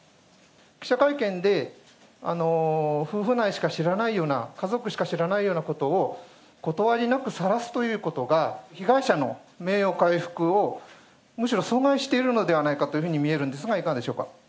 記者会見で夫婦内しか知らないような、家族しか知らないようなことを、断りなくさらすということが、被害者の名誉回復をむしろ阻害しているのではないかというふうに見えるんですが、いかがでしょうか。